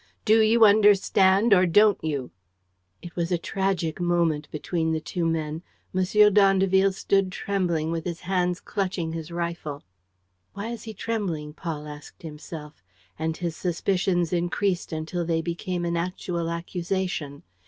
Do you understand or don't you?" It was a tragic moment between the two men. M. d'Andeville stood trembling, with his hands clutching his rifle. "Why is he trembling?" Paul asked himself; and his suspicions increased until they became an actual accusation.